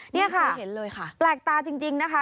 นี่ค่ะเห็นเลยค่ะแปลกตาจริงนะคะ